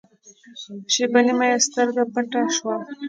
شېبه نیمه یې سترګه پټه شوه.